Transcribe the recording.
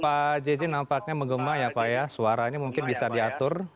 pak jj nampaknya menggema ya pak ya suaranya mungkin bisa diatur